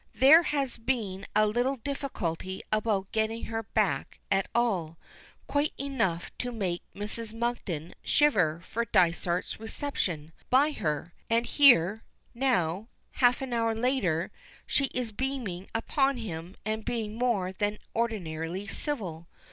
There has been a little difficulty about getting her back at all, quite enough to make Mrs. Monkton shiver for Dysart's reception by her, and here, now, half an hour later, she is beaming upon him and being more than ordinarily civil.